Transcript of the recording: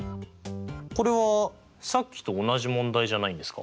これはさっきと同じ問題じゃないんですか？